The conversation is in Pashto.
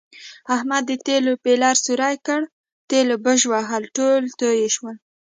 احمد د تېلو بیلر سوری کړ، تېلو بژوهل ټول تویې شول.